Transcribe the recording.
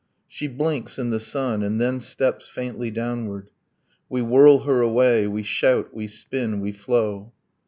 She blinks in the sun, and then steps faintly downward. We whirl her away, we shout, we spin, we flow.